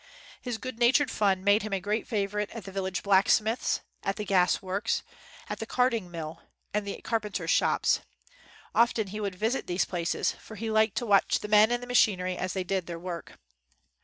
His good nat ured fun made him a great favorite at the village blacksmith's, at the gas works, the 26 AFTER THE NEWS WAS READ carding mill, and the carpenters' shops. Often he would visit these places, for he liked to watch the men and the machinery as they did their work.